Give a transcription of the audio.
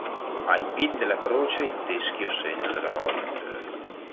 Ai piedi della croce il teschio segno della morte.